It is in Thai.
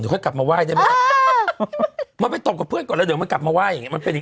เดี๋ยวค่อยกลับมาไหว้ได้ไหมมันไปตบกับเพื่อนก่อนแล้วเดี๋ยวมันกลับมาไหว้อย่างงี้